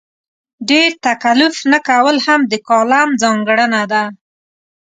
ډېر تکلف نه کول هم د کالم ځانګړنه ده.